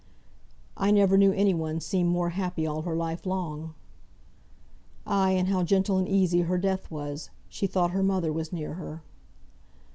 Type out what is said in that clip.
"I never knew any one seem more happy all her life long." "Ay! and how gentle and easy her death was! She thought her mother was near her."